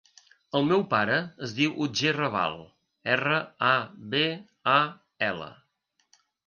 El meu pare es diu Otger Rabal: erra, a, be, a, ela.